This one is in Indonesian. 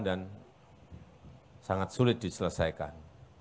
dan sangat sulit diselesaikan